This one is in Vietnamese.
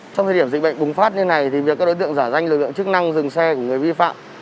trong thời điểm dịch bệnh bùng phát như này thì việc các đối tượng giả danh lực lượng chức năng dừng xe của người vi phạm